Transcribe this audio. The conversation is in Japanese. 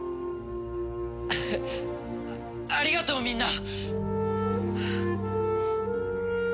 ありがとうみんな！